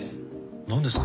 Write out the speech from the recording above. なんですか？